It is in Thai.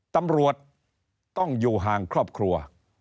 ตำรวจต้องอยู่ห่างครอบครัว